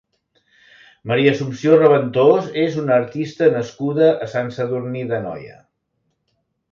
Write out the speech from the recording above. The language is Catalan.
Maria Assumpció Raventós és una artista nascuda a Sant Sadurní d'Anoia.